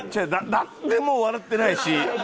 誰も笑ってないし。